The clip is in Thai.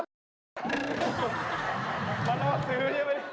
มันก็ซื้อใช่ไหม